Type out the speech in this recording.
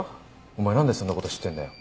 お前なんでそんな事知ってんだよ？